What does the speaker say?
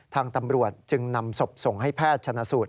ทางตำรวจจึงนำศพส่งให้แพทย์ชนะสูตร